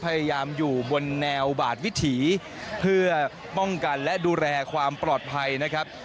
อยู่บนแนวบาดวิถีเพื่อป้องกันและดูแลความปลอดภัยนะครับ